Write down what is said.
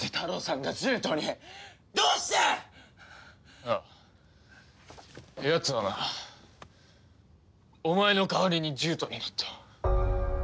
ああやつはなお前の代わりに獣人になった。